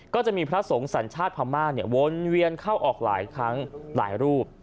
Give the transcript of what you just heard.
ก็จะมีพระสงฆ์สัญชาติพม่าเนี่ยวนเวียนเข้าออกหลายครั้งหลายรูป